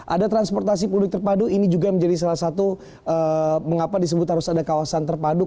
ada transportasi publik terpadu ini juga menjadi salah satu mengapa disebut harus ada kawasan terpadu